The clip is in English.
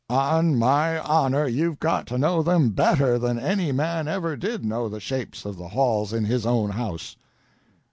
"On my honor, you've got to know them better than any man ever did know the shapes of the halls in his own house."